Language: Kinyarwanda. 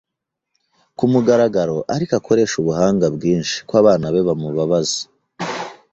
kumugaragaro ariko akoreshe ubuhanga bwinshi, ko abana be bamubabaza